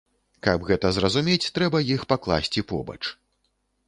Каб гэта зразумець, трэба іх пакласці побач.